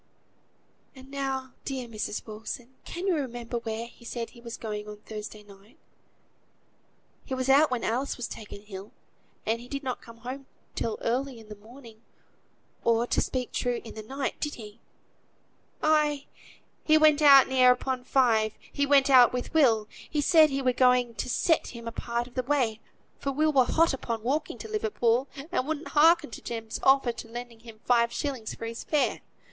"And now, dear Mrs. Wilson, can you remember where he said he was going on Thursday night? He was out when Alice was taken ill; and he did not come home till early in the morning, or, to speak true, in the night: did he?" "Ay! he went out near upon five; he went out with Will; he said he were going to set him a part of the way, for Will were hot upon walking to Liverpool, and wouldn't hearken to Jem's offer of lending him five shilling for his fare.